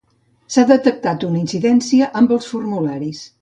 S'ha detectat una incidència amb els formularis.